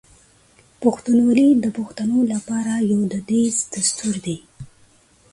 پښتونولي د پښتنو لپاره یو دودیز دستور دی.